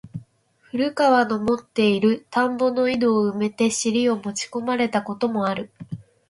古川の持つて居る田圃の井戸を埋めて尻を持ち込まれた事もある。